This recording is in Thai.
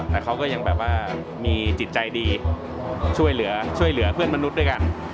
แต่เขาก็ยังแบบว่ามีจิตใจดีช่วยเหลือช่วยเหลือเพื่อนมนุษย์ด้วยกัน